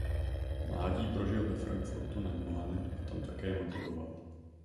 Mládí prožil ve Frankfurtu nad Mohanem a tam také maturoval.